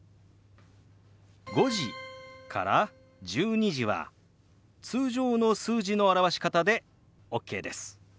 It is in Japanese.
「５時」から「１２時」は通常の数字の表し方でＯＫです。